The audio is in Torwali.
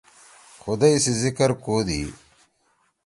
خُدئی سی ذکر کودی۔